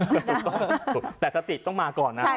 ถูกต้องแต่สติต้องมาก่อนนะ